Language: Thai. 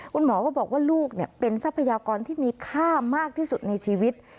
คุณหมอก็บอกว่าลูกเป็นทรัพยากรที่มีค่ามากที่สุดในชีวิต